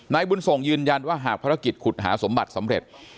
บุญส่งยืนยันว่าหากภารกิจขุดหาสมบัติสำเร็จ